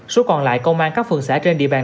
số còn lại công an các phường xã trên địa bàn